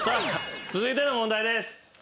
続いての問題です。